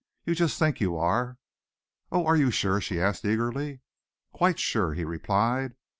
You just think you are." "Oh, are you sure?" she asked eagerly. "Quite sure," he replied.